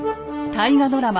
大河ドラマ